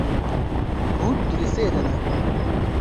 Hûn di lîsteyê de ne.